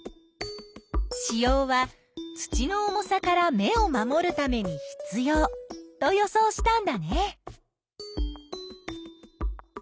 子葉は土の重さから芽を守るために必要と予想したんだね。